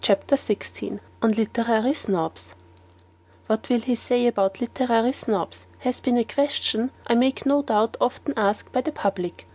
CHAPTER XVI ON LITERARY SNOBS What will he say about Literary Snobs? has been a question, I make no doubt, often asked by the public.